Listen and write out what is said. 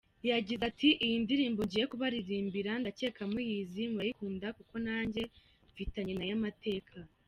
Yagize ati “Iyi ndirimbo ngiye kubaririmbira ndakeka muyizi, murayikunda kuko nanjye mfitanye nayo amateka.